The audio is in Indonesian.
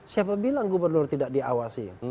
siapa bilang gubernur tidak diawasi